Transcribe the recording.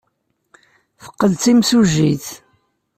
Teqqel d timsujjit.